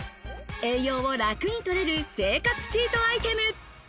栄養を楽に取れる生活チートアイテム。